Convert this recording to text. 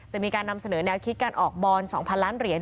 จะมีการนำเสนอแนวคิดการออกบอล๒๐๐ล้านเหรียญ